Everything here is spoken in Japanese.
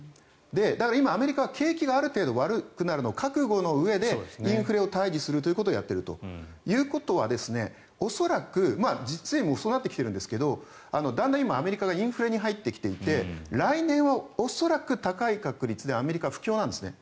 だから、今、アメリカは景気がある程度悪くなるのを覚悟のうえでインフレを退治するということをやっているということは恐らく、実にもうそうなってきているんですがだんだん、今アメリカがインフレに入ってきていて来年は恐らく高い確率でアメリカ、不況なんです。